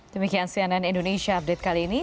demikian cnn indonesia update kali ini